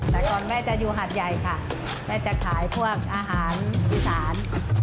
แต่ก่อนแม่จะอยู่หาดใหญ่ค่ะแม่จะขายพวกอาหารอีสาน